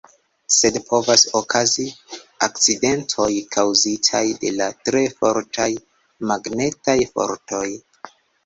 Sed povas okazi akcidentoj kaŭzitaj de la tre fortaj magnetaj fortoj.